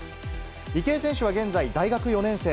池江選手は現在大学４年生。